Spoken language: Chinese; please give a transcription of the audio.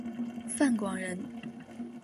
范广人。